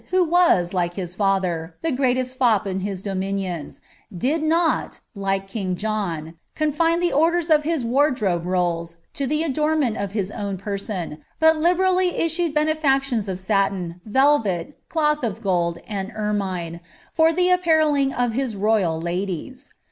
who was, like his fttfaer, the greatest fop in his dominions, did not, like king John, confine die cMnders of his wardrobe rolls to the adornment of his own person ; hot liberally issued benefactions of satin, velvet, cloth of gold, and nmine, for the appareling of his royal ladies.